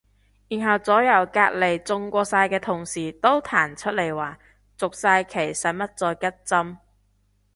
然後左右隔離中過晒嘅同事都彈出嚟話續晒期使乜再拮針